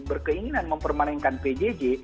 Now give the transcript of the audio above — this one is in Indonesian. berkeinginan mempermanenkan pjj